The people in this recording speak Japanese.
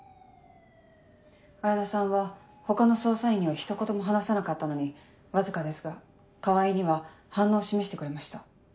彩菜さんは他の捜査員にはひと言も話さなかったのにわずかですが川合には反応を示してくれました。